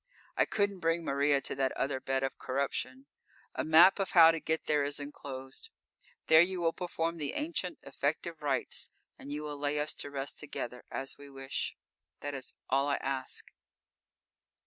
I couldn't bring Maria to that other bed of corruption. A map of how to get there is enclosed. There you will perform the ancient, effective rites, and you will lay us to rest together, as we wish. That is all I ask....